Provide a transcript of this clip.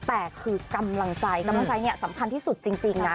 แต่คือกำลังใจกำลังใจเนี่ยสำคัญที่สุดจริงนะ